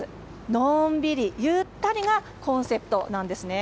のんびり、ゆったりがコンセプトなんです。